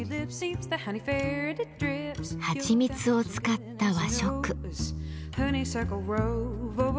はちみつを使った和食。